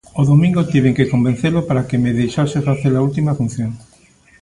O domingo tiven que convencelo para que me deixase face-la última función.